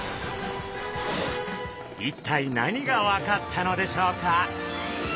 一体何が分かったのでしょうか？